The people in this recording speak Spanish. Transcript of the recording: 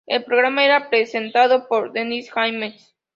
El programa era presentado por Dennis James.